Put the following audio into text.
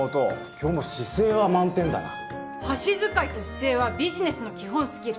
今日も姿勢は満点だな箸使いと姿勢はビジネスの基本スキル